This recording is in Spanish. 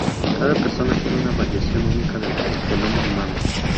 Cada persona tiene una variación única del genoma humano.